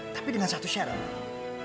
tapi dengan satu syarat